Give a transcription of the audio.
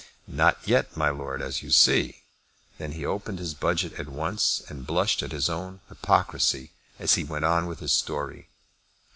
"Not yet, my lord, as you see." Then he opened his budget at once, and blushed at his own hypocrisy as he went on with his story.